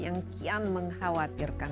yang kian mengkhawatirkan